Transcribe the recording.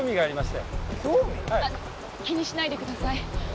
あっ気にしないでください。